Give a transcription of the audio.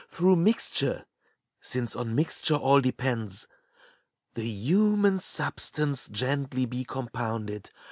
Through mixture — since on mixture all depends — The human substance gently be compounded.